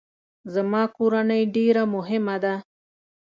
زما کورنۍ ډیره مهمه ده